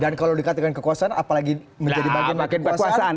dan kalau dikatakan kekuasaan apalagi menjadi bagian bagian kekuasaan